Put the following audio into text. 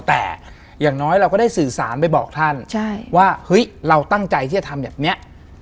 แต่อย่างน้อยเราก็ได้สื่อสารไปบอกท่านว่าเฮ้ยเราตั้งใจที่จะทำแบบเนี้ย